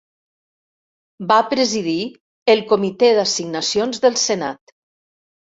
Va presidir el Comitè d'Assignacions del Senat.